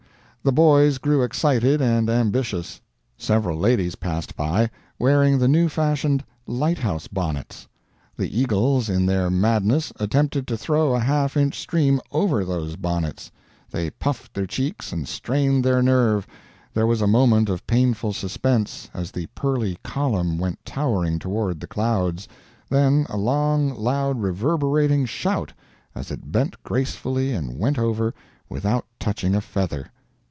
The boys grew excited and ambitious. Several ladies passed by, wearing the new fashioned light house bonnets. The Eagles, in their madness, attempted to throw a half inch stream over those bonnets. They puffed their cheeks and strained every nerve; there was a moment of painful suspense, as the pearly column went towering toward the clouds—then a long, loud, reverberating shout, as it bent gracefully and went over, without touching a feather!